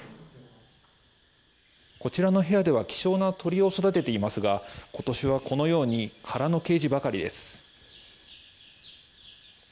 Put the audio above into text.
こちらの部屋では希少な鳥を育てていますがことしは、このように空のケージばかりです。